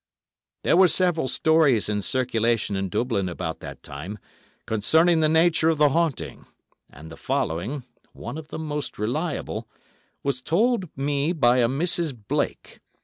There were several stories in circulation in Dublin about that time concerning the nature of the haunting, and the following—one of the most reliable—was told me by a Mrs. Blake.